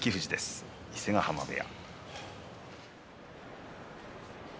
伊勢ヶ濱部屋。